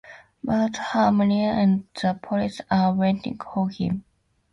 But Hamilton and the police are waiting for him.